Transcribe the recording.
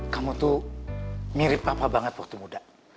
kamu tuh mirip papa banget waktu muda